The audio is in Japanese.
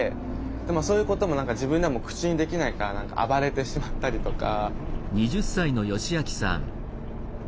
でもそういうことも自分でも口にできないから暴れてしまったりとか。